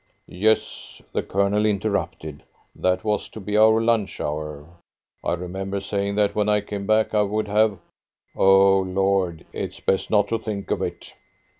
"Yes," the Colonel interrupted, "that was to be our lunch hour. I remember saying that when I came back I would have O Lord, it's best not to think of it!"